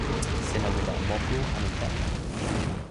sina wile e moku anu telo?